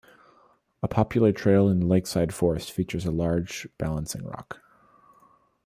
A popular trail in the lakeside forest features a large balancing rock.